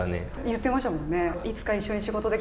言ってましたよね。